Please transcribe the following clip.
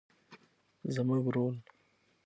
زموږ رول